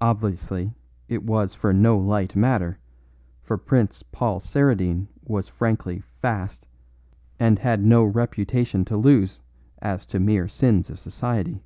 Obviously it was for no light matter, for Prince Paul Saradine was frankly 'fast,' and had no reputation to lose as to the mere sins of society.